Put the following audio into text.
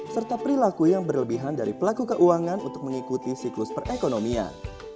serta perilaku yang berlebihan dari pelaku keuangan untuk mengikuti siklus perekonomian